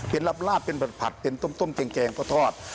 เป็นลาบเป็นผัดเป็นต้มแกงก็ทอด